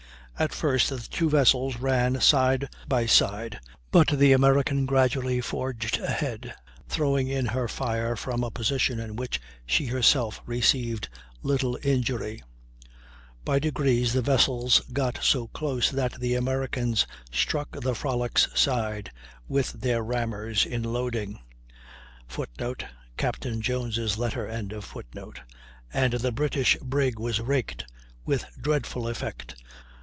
At first the two vessels ran side by side, but the American gradually forged ahead, throwing in her fire from a position in which she herself received little injury; by degrees the vessels got so close that the Americans struck the Frolic's side with their rammers in loading, [Footnote: Capt. Jones' letter.] and the British brig was raked with dreadful effect.